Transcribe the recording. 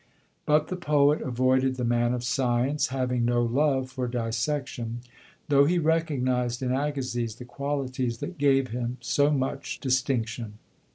But the poet avoided the man of science, having no love for dissection; though he recognized in Agassiz the qualities that gave him so much distinction.